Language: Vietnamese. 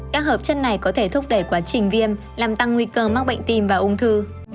các hợp chân này có thể thúc đẩy quá trình viêm làm tăng nguy cơ mắc bệnh tim và ung thư